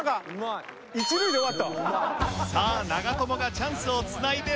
さあ長友がチャンスをつないで満塁。